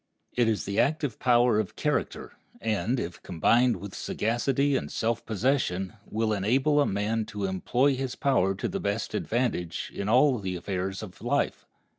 It is the active power of character, and, if combined with sagacity and self possession, will enable a man to employ his power to the best advantage in all the affairs of life.